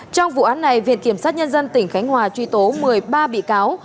trong vụ án này viện kiểm sát nhân dân tỉnh khánh hòa truy tố một mươi ba bị cáo